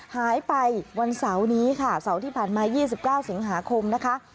หายไปวันเสาร์นี้ค่ะเสาร์ที่ผ่านมา๒๙สิงหาคมนะคะ